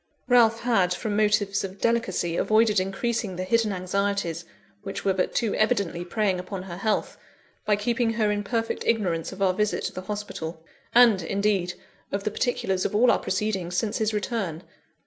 Ralph had, from motives of delicacy, avoided increasing the hidden anxieties which were but too evidently preying upon her health, by keeping her in perfect ignorance of our visit to the hospital, and, indeed, of the particulars of all our proceedings since his return.